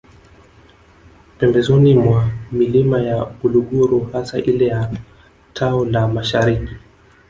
Pembezoni mwa Milima ya Uluguru hasa ile ya Tao la Mashariki